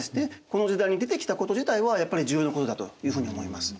この時代に出てきたこと自体はやっぱり重要なことだというふうに思います。